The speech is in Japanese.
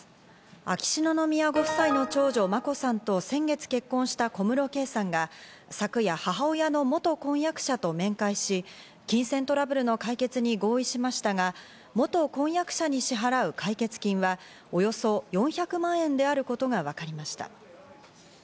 秋篠宮ご夫妻の長女・眞子さんと先月結婚した小室圭さんが昨夜、母親の元婚約者と面会し、金銭トラブルの解決に合意しましたが、元婚約者に支払う解決金は、およそ４００万円であることが分かりました。